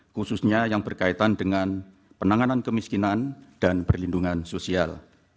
khususnya yang berkaitan dengan penanganan kemiskinan dan perlindungan sosial